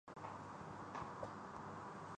کہ مکالمے کے لیے صرف اس کا علم اٹھانا